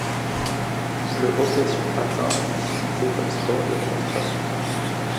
Le hockey sur patins fut disputé comme sport de démonstration.